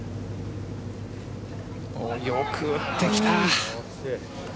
よく打ってきた。